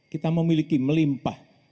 kita memiliki melimpah